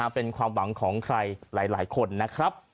เป็นความหวังของใครหลายคนนะครับ